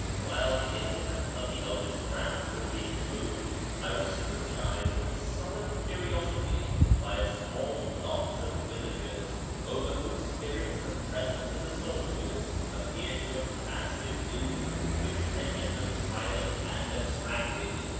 While the implements of the owner's craft were being removed, I was scrutinised with sullen curiosity by a small knot of villagers, over whose spirits the jDresence of the soldiers appeared to have cast a gloom which rendered them silent and abstracted.